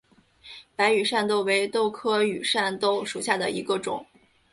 白羽扇豆为豆科羽扇豆属下的一个种。